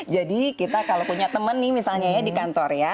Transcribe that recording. jadi kita kalau punya teman nih misalnya ya di kantor ya